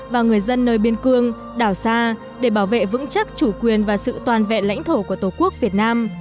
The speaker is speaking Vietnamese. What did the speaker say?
và người dân nơi biên cương đảo xa để bảo vệ vững chắc chủ quyền và sự toàn vẹn lãnh thổ của tổ quốc việt nam